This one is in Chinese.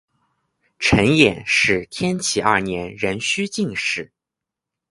陈演是天启二年壬戌进士。